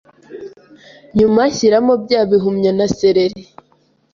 Nyuma shyiramo bya bihumyo na celery